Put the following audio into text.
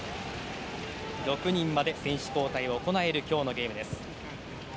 ６人まで選手交代を行える今日のゲームです。